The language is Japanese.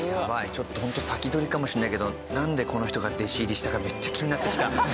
ちょっとホント先取りかもしれないけどなんでこの人が弟子入りしたかめっちゃ気になってきた。